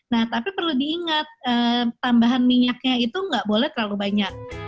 nah tapi perlu diingat tambahan minyaknya itu nggak boleh terlalu banyak